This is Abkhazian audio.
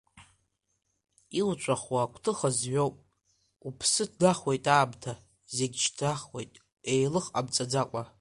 Иуҵәахуа агәҭыха зҩоуп, уԥсы ҭнахуеит, аамҭа зегьы шьҭнахуеит, еилых ҟамҵаӡакәа.